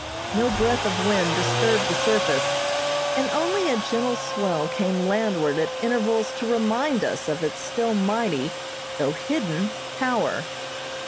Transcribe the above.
No breath of wind disturbed the surface, and only a gentle swell came landward at intervals to remind us of its still mighty, though hidden, power.